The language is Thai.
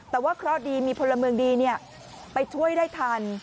แต่ว่าก็ดีมีพลเมืองดีเนี่ยไปช่วยได้ทัน